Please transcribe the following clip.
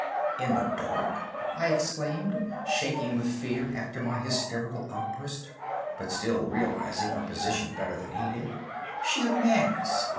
"In the dark?" I exclaimed, shaking with fear after my hysterical outburst, but still realizing our position better than he did. "Sheer madness!